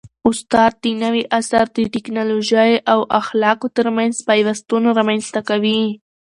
استاد د نوي عصر د ټیکنالوژۍ او اخلاقو ترمنځ پیوستون رامنځته کوي.